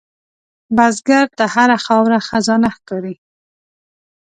بزګر ته هره خاوره خزانه ښکاري